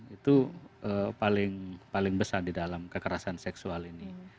itu paling besar di dalam kekerasan seksual ini